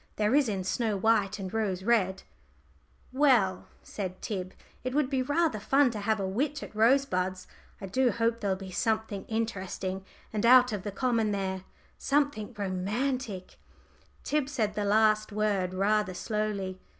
There is in Snow white and Rose red." "Well," said Tib, "it would be rather fun to have a witch at Rosebuds. I do hope there'll be something interesting and out of the common there something romantic." Tib said the last word rather slowly.